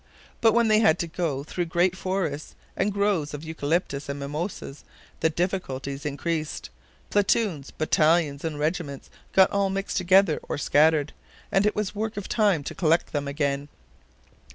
But when they had to go through great forests and groves of eucalyptus and mimosas, the difficulties increased. Platoons, battalions and regiments got all mixed together or scattered, and it was a work of time to collect them again.